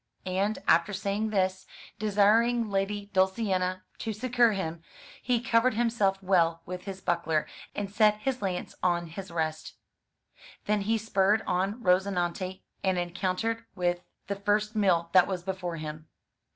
And, after saying this, desiring Lady Dulcinea to succour him, he covered himself well with his buckler, and set his lance on his rest. Then he spurred on Rozinante and encountered with the first mill that was before him.